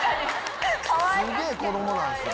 すげぇ子供なんすよね。